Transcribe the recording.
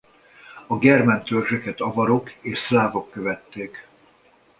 A germán törzseket avarok és szlávok követték.